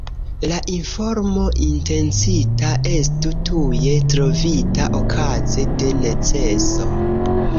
La informo intencita estu tuje trovita okaze de neceso.